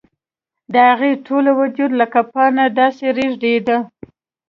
د هغې ټول وجود لکه پاڼه داسې رېږدېده